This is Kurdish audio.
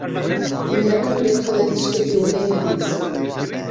Min di emirê xwe de tiştekî welê ne bihîsti bû.